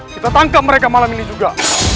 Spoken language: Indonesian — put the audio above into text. kita tangkap mereka malam ini juga